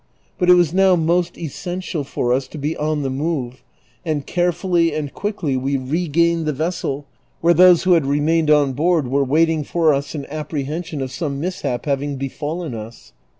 But it was now most essential for us to be on the move, and carefully and (juickly we regained the vessel, where those who had remained on board were waiting for us in appi'ehension of some mishap having befallen us.